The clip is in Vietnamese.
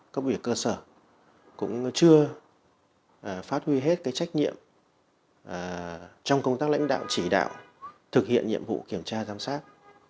cấp ủy cơ sở cũng chưa phát huy hết cái trách nhiệm trong công tác lãnh đạo chỉ đạo thực hiện nhiệm vụ kiểm tra giám sát